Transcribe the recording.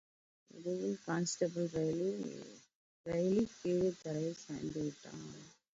இடையில் constable Reilly கீழே தரையில் சாய்ந்து விட்டான்.